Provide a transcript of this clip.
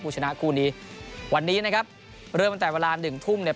ชนะคู่นี้วันนี้นะครับเริ่มตั้งแต่เวลาหนึ่งทุ่มเนี่ย